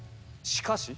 しかし？